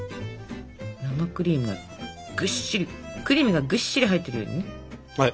生クリームがぐっしりクリームがぐっしり入ってるようにね。